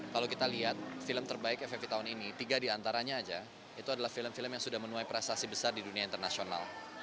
kalau kita lihat film terbaik ff tahun ini tiga diantaranya aja itu adalah film film yang sudah menuai prestasi besar di dunia internasional